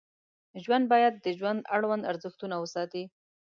ژوند باید د ژوند اړوند ارزښتونه وساتي.